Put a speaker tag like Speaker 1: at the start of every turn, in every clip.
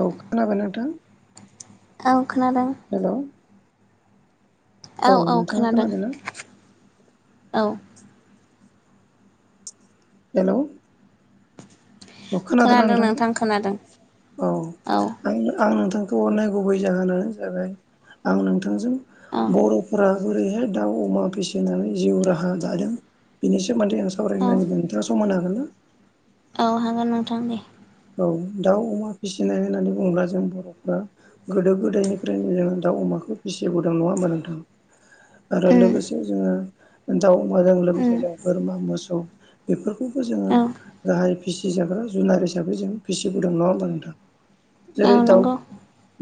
Speaker 1: औ खोनाबाय नोंथां
Speaker 2: आंखोन र
Speaker 1: हेलौ
Speaker 2: औ औ
Speaker 1: नोंथाङा
Speaker 2: खोनादों
Speaker 1: खोनादोंना
Speaker 2: औ
Speaker 1: हेल' औ खोनादोंना
Speaker 2: खोनादों
Speaker 1: नोंथां
Speaker 2: खोनादों
Speaker 1: औ आं आं नोथां बेखौ अननाय गुबै जाहोनानो जाबाय आं नोंथांजों
Speaker 2: औ
Speaker 1: बर'फोरा ओरैहाय दाउ अमा फिसिनानै जिउ राहा दादों बेनि सोमोन्दै आं
Speaker 2: औ
Speaker 1: सावरायनो नागिरदों नोंथाङा सम होनो हागोन ना
Speaker 2: औ हागोन नोंथां दे
Speaker 1: औ दाउ अमा फिसिनाय होननानै बुङोब्ला जों बर'फ्रा गोदो गोदायनिफ्रायनो जोङो दाउ अमा खौ फिसिबुदों नङा होमबा नोंथां आरो
Speaker 2: उम
Speaker 1: लोगोसे जोङो दाव अमाजों
Speaker 2: उम
Speaker 1: लोगोसे जों बोरमा मोसौ बेफोरखौबो जोङो
Speaker 2: औ
Speaker 1: गाहाय फिसि जाग्रा जुनार हिसा साबै जों फिसिबुदों नङा होमबा नोंथां जेरै
Speaker 2: औ
Speaker 1: दाउ
Speaker 2: नंगौ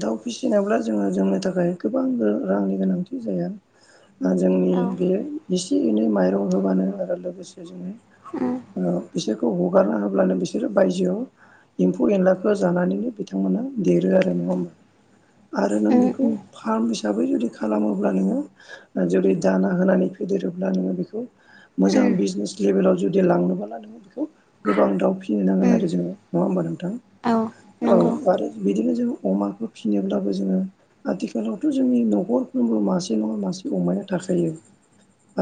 Speaker 1: दाउ फिसिनायब्ला जोङो जोंनि थाखाय गोबां रां रांनि गोनांथि जाया जोंनि
Speaker 2: औ
Speaker 1: बे एसे एनै माइरं होबानो आरो लोगोसे जोङो
Speaker 2: उम
Speaker 1: बिसोरखौ हगारना होब्लानो बिसोरो बायजोआव एम्फौ एनलाखौ जानानैनो बिथांमोना देरो आरो नङा होमबा आरो नों
Speaker 2: उम
Speaker 1: बेखौ
Speaker 2: उम
Speaker 1: फारमिसन हिसाबै जुदि खालामोब्ला नोङो जुदि दाना होनानै फेदेरोब्ला नोङो बिखौ
Speaker 2: उम
Speaker 1: मोजां बिजनेस लेभेलाव जुदि लांनोबोला नोङो बेखौ गोबां दाउ फिसिनो नांगोन
Speaker 2: उम
Speaker 1: आरो जोङो होनबा नोंथां
Speaker 2: औ
Speaker 1: औ
Speaker 2: नंगौ
Speaker 1: आरो बि बिदिनो जोङो अमाखौ फिनोब्लाबो जोङो आथिखालावथ' जोंनि न'खरफ्रोमबो मासे नङा मासे अमाया थाखायो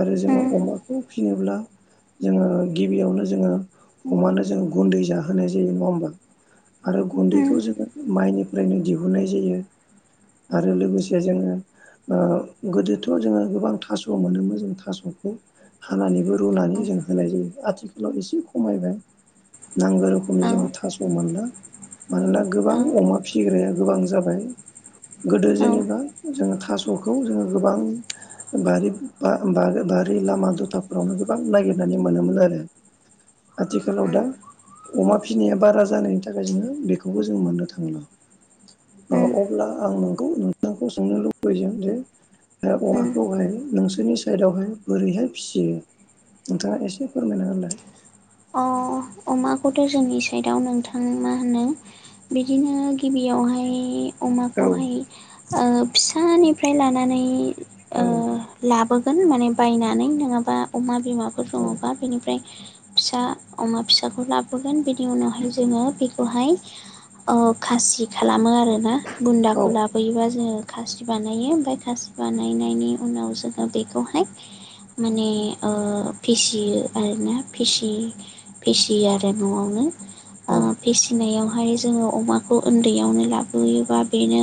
Speaker 1: आरो जोङो
Speaker 2: उम
Speaker 1: अमाखौ फिनोब्ला जोङो गिबियावनो जोङो अमानो जों गुन्दै जाहोनाय जा नङा होनबा आरो
Speaker 2: उम
Speaker 1: गुन्दैखौ जोङो माइनिफ्रायनो दिहुननाय जायो आरो लोगोसे जोङो ओ गोदोथ' जोङो गोबां थास' मोनोमोन जों थास'खो हानानैबो रुनानै जों होनाय जायो आथिखालाव एसे खमायबाय नांगौ रोखोमनि
Speaker 2: औ
Speaker 1: जोङो थास' मोनला मानोना गोबां
Speaker 2: औ
Speaker 1: अमा फिसिग्राया गोबां जाबाय गोदो
Speaker 2: औ उम
Speaker 1: जेनेबा जों थास' खौ जोङो गोबां बारि बा-बा-बारि लामा दथाफोरावनो गोबां नागिरनानै नुनो मोनोमोन आरो आथिखालाव
Speaker 2: उम
Speaker 1: दा अमा फिसिनाया बारा जानायनि थाखाय जोङो बेखौबो जों मोननो थांला ओ
Speaker 2: उम
Speaker 1: अब्ला आं नोंखौ नोंथांखौ सोंनो लुबैगोन जे अमाखौहाय नोंसोर नोंसोरनि साइडआवहाय बोरैहाय फिसियो नोंथाङा एसे फोरमायना हागोनना
Speaker 2: अ अमाखौथ' जोंनि साइदआव नोंथां मा होनो बिदिनो गिबियावहाय
Speaker 1: औ
Speaker 2: अमाखौहाय ओ फिसानिफ्राय लानानै ओ
Speaker 1: औ
Speaker 2: लाबो माने बायनानै नङाबा अमा बिमाफोरखौ
Speaker 1: औ
Speaker 2: दङबा बेनिफ्राय फिसा अमा फिसाखौ लाबोगोन बिनि उनावहाय जोङो बे खौहाय ओ खासि खालामो आरोना
Speaker 1: औ
Speaker 2: बुन्दाखौ लाबोयोबा जोङो खासि बानायो ओमफ्राय खासि बानायनायनि उनाव जोङो बेखौहाय माने ओ फिसियो आरोना फिसि फिसियो आरो न'वावनो
Speaker 1: औ
Speaker 2: ओ फिसिनायाव यावहाय जोङो अमाखौ उन्दैयावनो लाबोयोबा बेनो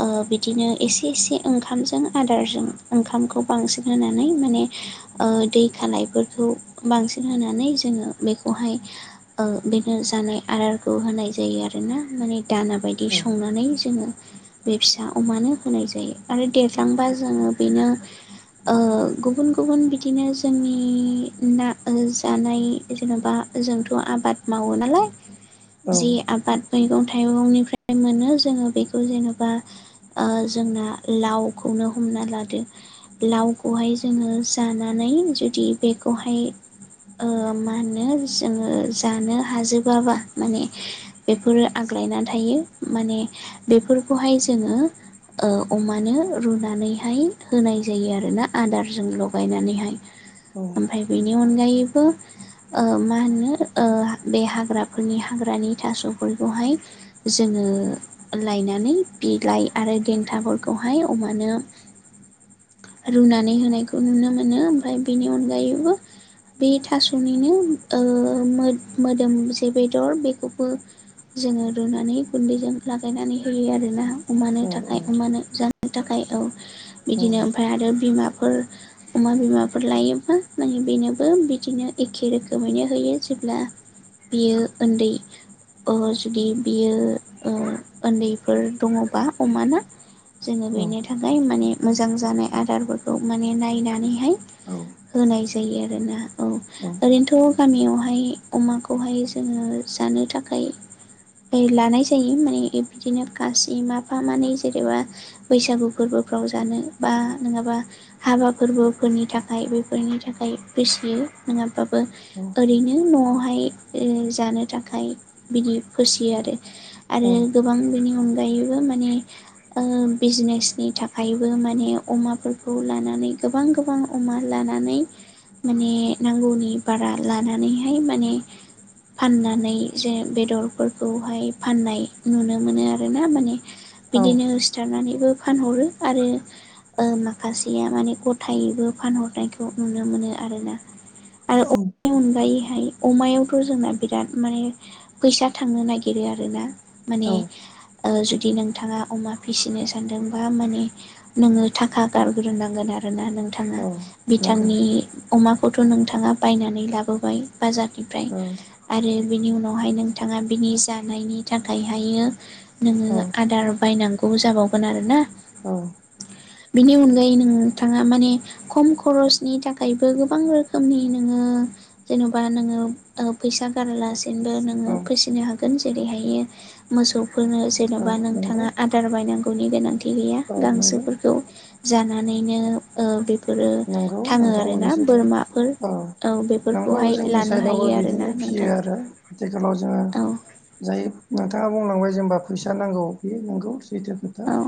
Speaker 2: ओ बिदिनो एसे एसे ओंखामजों आदारजों ओंखामखौ बांसिन होनानै माने ओ दै खालायफोर खौ बांसिन सिन होनानै जोङो बेखौहाय ओ बेनो जानाय आदारखौ होनाय जायो आरोना माने दाना बायदि संनानै जोङो बे फिसा अमानो होनाय जायो आरो देरलांबा जोङो बेनो ओ गुबुन गुबुन बिदिनो जोंनि ना ओ जानाय जेन'बा जोंथ' आबाद मावो नालाय
Speaker 1: औ
Speaker 2: जि आबाद मैगं थाइगंनिफ्राय मोनो जोङो बेखौ जेनेबा ओ जोंना लावखौ नो हमना लादो लावखौहाय जोङो जानानै जुदि बेखौहाय ओ मा होनो जोङो जानो हाजोबाबा माने बेफोरो आग्लायनानै थायो माने बेफोरखौहाय जोङो ओ अमानो रुनानैहाय होनाय जायो आरोना आदारजों लगायनानैहाय ओमफफ्राय बेनि अनगायैबो ओ मा होनो ओ बे हाग्राफोरनि हाग्रानि थास'फोरखौहाय जों ओ लायनानै बिलाइ आरो देन्थाफोरखौहाय अमानो
Speaker 1: [inaudible]
Speaker 2: रुनानै होनायखौ नुनो मोनो ओमफ्राय बेनि अनगायैबो
Speaker 1: [inaudible]
Speaker 2: बे थास'निनो ओ मोद-मोदोम जे बेदर बेखौबो जोङो रुनानै गुन्दैजों लागायनानै होयो आरोना अमानो
Speaker 1: औ
Speaker 2: थाखाय अमानो जानो थाखाय औ बिदिनो ओमफफ्राय आरो बिमाफोर अमा बिमाफोर लायोबा नाय बेनोबो बिदिनो एखे रोखोमैनो होयो जेब्ला बियो उन्दै अ जुदि बियो ओ ओन्दैफोर दङबा अमानो जोङो बेनि थाखाय माने मोजां जानाय आदारफोरखौ माने नायनानैहाय
Speaker 1: औ
Speaker 2: आरो ना औ ओरैनोथ' गामियावहाय अमाखौहाय जोङो जानो थाखाय लानाय जायो माने बिदिनो गासै माफा मानै जेनेबा बैसागु फोरबो गाव जानो बा नङाबा हाबा फोरबोफोरनि थाखाय बेफोरनि थाखाय एमफाइ फिसिफैयो नङाबाबो ओरैनो न'आवहाय ओ जानो थाखाय बिदि फिसियो आरो आरो गोबां बिनि अनगायै अनगायैबो माने ओ बिजनेसनि थाखायबो माने अमाफोरखौ लानानै गोबां गोबां अमा लानानै माने नांगौनि बारा लानानैहाय माने फाननानै जे बेदरफोरखौहाय फाननाय नुनो मोनो आर ना माने बिदिनो सिथारनानैबो फानहरो आरो ओ माखासेया माने गथायैबो फानहरनायखौ नुनो मोनो आरोोना
Speaker 1: औ
Speaker 2: आरोम अनगायैहाय अमायाव जोंना बिराद माने फैसा थांनो नागिरो आरोना माने
Speaker 1: औ
Speaker 2: जुदि नोंथाङा अमा फिसिनो सानदोंबा माने नोङो थाखा गारग्रोनोनांगोन आरो आरोना नोंथाङा
Speaker 1: नंगौ
Speaker 2: बिथांनि अमाखौथ' नोंथाङा बायनानै लाबोबाय बाजारनिफ्राय
Speaker 1: औ
Speaker 2: आरो बिनि उनावहाय नोंथाङा बिनि जानायनि थाखाय हायो नोङो आदार बायनांगौ बेखौबो जाबावगोन आरोना।
Speaker 1: औ
Speaker 2: बिनि अनगायै नोंथाङा माने खम खरसनि थाखाय बो गोबां रोखोमनि नोङो जेनबा नोङो फैसा गारालासे नोङो
Speaker 1: औ
Speaker 2: फिसिनो हागोन जेरैहायो मोसौ फोरनो जेन'बा
Speaker 1: औ नंगौ
Speaker 2: नोंथाङा आदार बायनांगौनि गोनांथि गैया
Speaker 1: औ नंगौ
Speaker 2: गांसोफोरखौ जानानैनो ओ बेफोरो
Speaker 1: नंगौ
Speaker 2: थाङो
Speaker 1: नोंथां
Speaker 2: आरो
Speaker 1: बुंनाया सैथो
Speaker 2: बोरमाफोर औ
Speaker 1: नंगौ
Speaker 2: बेफोरखौहाय
Speaker 1: जोंनि
Speaker 2: लानो
Speaker 1: साइडआवबो
Speaker 2: हायो आरोना
Speaker 1: बिदिनो फियो
Speaker 2: नोंथां
Speaker 1: आरो आथिखालाव जोङो
Speaker 2: औ
Speaker 1: जाय नोंथाङा बुंलांबाय जेनबा फैसा नांगौ बे नोंगौ सैथो खोथा
Speaker 2: औ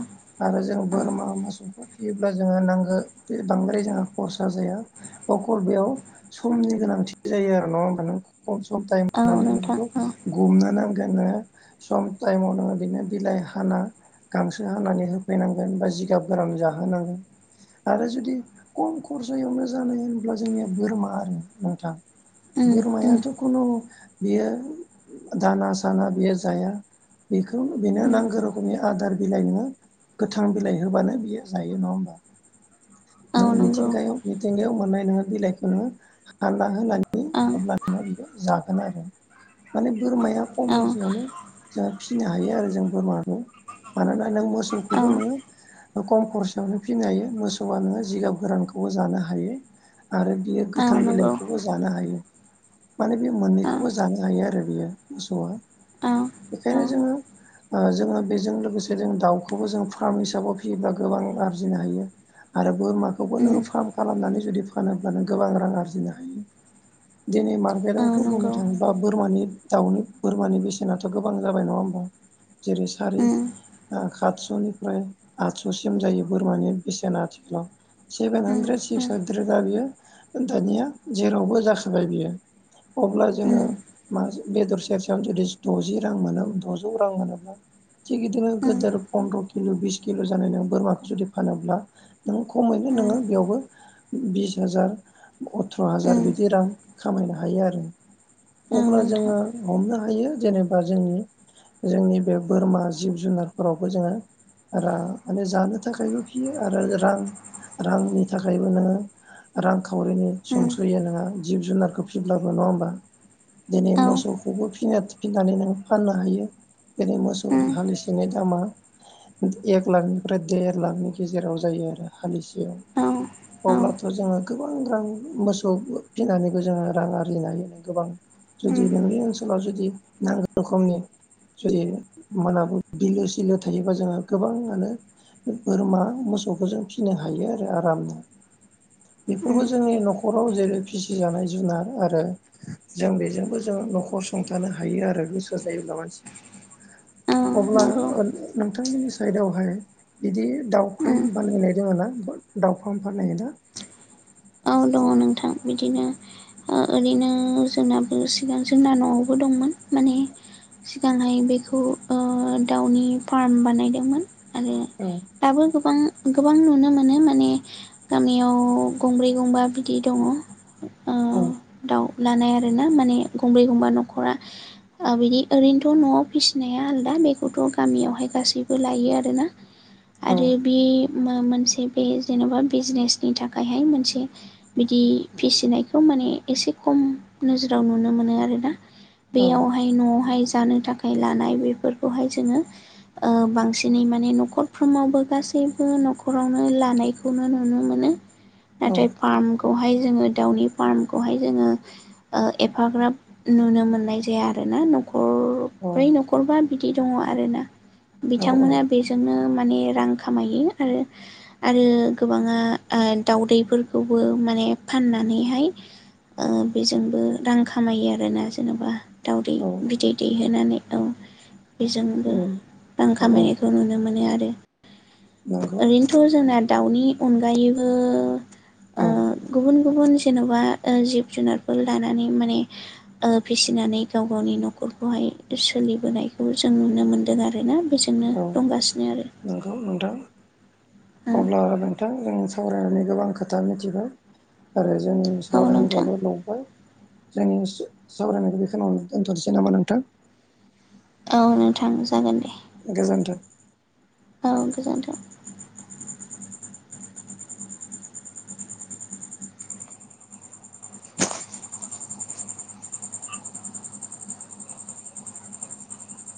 Speaker 1: आरो जों बोरमा
Speaker 2: औ
Speaker 1: मोसौखौ फियोब्ला जोङो नांगौ बे बांद्राय जोंहा खरसा जाया अकल बेयाव समनि गोनांथि जायो आरो नङा होनोमब नों खम सम टाइमनानै होनानै
Speaker 2: नोंथां
Speaker 1: बेखौ
Speaker 2: औ
Speaker 1: गुमनानै जोङो सम टाइमाव नोङो बिनो बिलाइ हाना गांसो हानानै होफैनांगोन बा जिगाब गोरान जाहोनांगोन आरो जुदि। खम खरसायावनो जानाय होनोब्ला जोंनिया बोरमा आरो नोंथां।
Speaker 2: उम उम
Speaker 1: बोरमायाथ' खुनु बियो दाना साना बियो जाया बे बेनो
Speaker 2: उम
Speaker 1: नांगौ रोखोमनि आदार। बिलाइ नोङो गोथां बिलाइ होब्लानो बियो जायो नङा होमबा।
Speaker 2: औ
Speaker 1: नों
Speaker 2: नंगौ
Speaker 1: मिथिंगायाव मिथिंगायाव मोननाय नोङो बिलाइखौ नोङो हाना होनानै
Speaker 2: ओं
Speaker 1: होब्लाना बियो जागोन आरो माने बोरमाया खम
Speaker 2: औ
Speaker 1: खरसायावनो जों फिसिनो हायो आरो जों बोरमाखौ मानोना नों
Speaker 2: औ
Speaker 1: मोसौखौबो नोङो। खम खरसायावनो फिनो हायो मोसौ नोङो जिगाब गोरानखौबो जानो हायो। आरो बियो
Speaker 2: औ
Speaker 1: गोथां
Speaker 2: नंगौ
Speaker 1: बिलाइखौबो जानो हायो। माने बे
Speaker 2: ओ
Speaker 1: मोननैखौबो जानो हायो आरो बेयो मोसौआ
Speaker 2: औ
Speaker 1: बेखायनो
Speaker 2: औ
Speaker 1: जोङो। ओ जोङो बेजों लोगोसे जों दाउखौबो जों फार्म हिसाबाव फियोब्ला गोबां आरजिनो हायो। आरो। बोरमाखौबो
Speaker 2: उम
Speaker 1: नोङो फार्म खालामनानै जुदि फानोब्ला नों गोबां रां आरजिनो हायो। दिनै
Speaker 2: औ
Speaker 1: मार्केटआवथ बुंनो
Speaker 2: नंगौ
Speaker 1: थाङोब्ला बोरमानि दाउनि बोरमानि बेसेनाथ गोबां जाबाय नङा होमबा जेरै सारि
Speaker 2: उम
Speaker 1: ओ सातसनिफ्राय आदससिम जायो बोरमानि बेसेना आथिखालाव। सेभेन
Speaker 2: उम
Speaker 1: हानद्रेद सिक्स
Speaker 2: उम
Speaker 1: हानद्रेद दा बेयो दानिया जेरावबो जाखोबाय बियो अब्ला जोङो
Speaker 2: उम
Speaker 1: बेदर सेरसेयावनो जुदि द'जि रां मोनो बा द'जौ रां मोनोब्ला थिग बिबायदिनो
Speaker 2: उम
Speaker 1: गिदिर फन्द्र'। बिस किल' जानाय नों बोरमाखौ जुदि फानोब्ला नोंङो खमैनो
Speaker 2: उम
Speaker 1: नोङो बेयावबो बिस हाजार अथ्रहाजार
Speaker 2: उम
Speaker 1: बिदि रां खामायनो हायो आरो
Speaker 2: औ
Speaker 1: अब्ला
Speaker 2: नोंथां
Speaker 1: जोङो हमनो हायो जेनेबा जोंनि जोंनि बे बोरमा जिब जुनारफोरावबो जोङो माने जानो थाखायबो फियो आरो रां रांनि थाखायबो नोङो रांखावरिनि
Speaker 2: उम
Speaker 1: सुंसयो नोङा जिब जुनारखौ फिसिब्लाबो नङा होमबा दिनै
Speaker 2: औ
Speaker 1: मोसौखौबो फिनो फिनानै नों फाननो हायो जेरै मोसौ
Speaker 2: उम
Speaker 1: हालसेनि दामा एक लाखनिफ्राय देर लाखनि गेजेराव जायो आरो हालिसेयाव।
Speaker 2: औ औ
Speaker 1: अब्लाथ' जोङो गोबां रां मोसौ फिनानैबो जोङो रां आरजिनो हायो गोबां जुदि
Speaker 2: उम उम
Speaker 1: नोंनि ओनसोलाव जुदि नांगौ रोखोमनि जुदि मोना बिलो सिलो थायोबा जोंहा गोबाङानो बोरमा मोसौखौ जों फिसिनो हायो आरो आरामनो। बेफोरखौ जोंनि नखराव जेरै फिसिजानाय जुनार आरो जों बेजोंबो जों नखर सुंथानो हायो आरो गोसो जायोब्ला मानसिया
Speaker 2: औ
Speaker 1: अब्ला
Speaker 2: नंगौ
Speaker 1: नोंथांमोननि ओ साइदावहाय बिदि दाउ फार्म
Speaker 2: उम
Speaker 1: बानायनाय जोङो ना दाउ फार्म फाननाखोना
Speaker 2: औ दङ नोंथां। बिदिनो ओ ओरैनो जोंनाबो सिगां जोंना नआवबो दंमोन माने। सिगांहाय बेखौ ओ दाउनि फार्म बानायदोंमोन। आरो
Speaker 1: औ
Speaker 2: दाबो गोबां गोबां नुनो मोनो माने गामियाव गंब्रै। गंबा बिदै दङ। ओ
Speaker 1: औ।
Speaker 2: दाउ लानाय आरोना माने गंब्रै गंबा न'रा बिदि ओरैनोथ' न'आव फिसिनाय दा बेखौथ गामियावहाय गासैबो लायो आरोना। आरो बे माबा मोनसे बे जेन'बा बिजनेसनि थाखायहाय मोनसे बिदि फिसिनायखौ माने एसे खम नोजोराव नुनो मोनो आरोना
Speaker 1: औ
Speaker 2: बेयावहाय न'आवहाय जानो थाखाय लानाय बेफोरखौहाय जोङो ओ बांसिनै माने नखरफ्रोमावबो गासैबो नखरावनो लानायखौनो नुनो मोनो।
Speaker 1: औ
Speaker 2: नाथाय। खौहाय जोङो दाउनि फार्मखौहाय जोङो ओ एफाग्राब नुनो मोननाय जाया आरोना न'खर
Speaker 1: औ
Speaker 2: बै न'खरबा बिदि दङ आरोना बिथांमोना बेजोंनो माने रां खामायो आरो आरो गोबाङा दाउदैफोर बेखौबो माने फाननानैहाय। ओ बेजोंबो रां खामायो आरोना जेनेबा दावदै
Speaker 1: औ
Speaker 2: बिदै दैहोनानै औ बेजोंबो
Speaker 1: औ
Speaker 2: रां
Speaker 1: औ औ
Speaker 2: खामायनायखौ नुनो मोनो आरो।
Speaker 1: नंगौ
Speaker 2: ओरैनोथ जोंना दाउनि अनगायैबो ओ
Speaker 1: औ
Speaker 2: गुबुन गुबुन जेनबा जिब जुनारफोर लानानै माने फिसिनानै गाव गावनि नखर फोरखौहाय सोलिबोनायखौ जों नुनो मोन्दों आरोना बेजोंनो
Speaker 1: औ
Speaker 2: दंगासिनो आरो
Speaker 1: नंगौ नोंथां अब्ला
Speaker 2: औ
Speaker 1: नोंथां जों सावरायनानै गोबां खोथा मिथिबाय आरो। जोंनि
Speaker 2: नोंथां
Speaker 1: सावरायनांगोआबो लावबाय जोंनि सावरायनायखौ बेखनिनो दोनथनोसै नामा नोंथां
Speaker 2: औ नों थां जागोन दे।
Speaker 1: गोजोन्थों।
Speaker 2: औ गोजोनथों